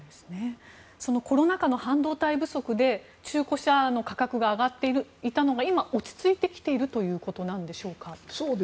コロナ禍の半導体不足で中古車の価格が上がっていたのが今、落ち着いてきているということなんでしょうか？